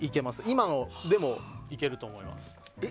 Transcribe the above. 今のでも、いけると思います。